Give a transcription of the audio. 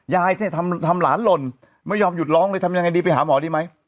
ยายเนี่ยทำหลานหล่นไม่ยอมหยุดร้องเลยทำยังไงดีไปหาหมอดีไหม